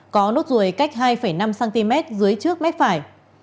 có nốt ruồi cách hai năm cm dưới trước mép phải